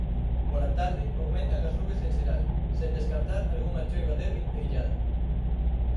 Pola tarde aumentan as nubes en xeral sen descartar algunha choiva débil e illada.